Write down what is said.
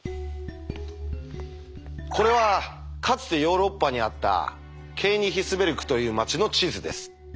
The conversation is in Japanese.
これはかつてヨーロッパにあったケーニヒスベルクという町の地図です。